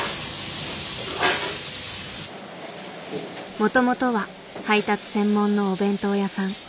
もともとは配達専門のお弁当屋さん。